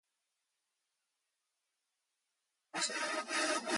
Electric current produces a magnetic field.